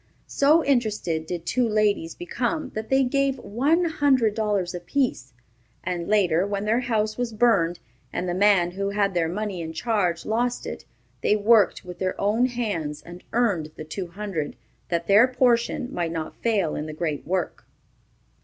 So interested did two ladies become that they gave one hundred dollars apiece, and later, when their house was burned, and the man who had their money in charge lost it, they worked with their own hands and earned the two hundred, that their portion might not fail in the great work.